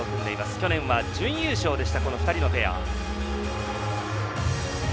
去年は準優勝でしたこの２人のペア。